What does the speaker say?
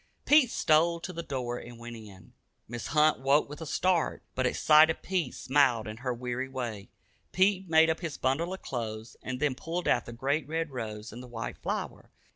Pete stole to the door and went in. Mrs. Hunt woke with a start, but at sight of Pete smiled in her weary way. Pete made up his bundle of clothes, and then pulled out the great red rose and the white flower.